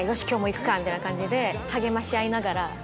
みたいな感じで励まし合いながら。